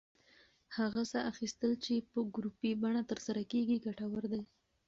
هغه ساه اخیستل چې په ګروپي بڼه ترسره کېږي، ګټور دی.